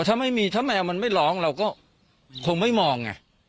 ถ้าแมวมันร้องเราก็คงไม่มอง